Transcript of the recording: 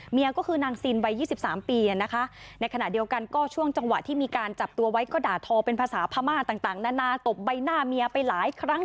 ก็คือนางซีนวัย๒๓ปีนะคะในขณะเดียวกันก็ช่วงจังหวะที่มีการจับตัวไว้ก็ด่าทอเป็นภาษาพม่าต่างนานาตบใบหน้าเมียไปหลายครั้ง